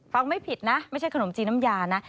ไม่ผิดนะไม่ใช่ขนมจีนน้ำยานะ